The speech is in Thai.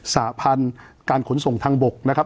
สาพันธ์การขนส่งทางบกนะครับ